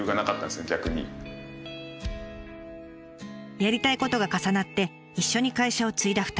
やりたいことが重なって一緒に会社を継いだ２人。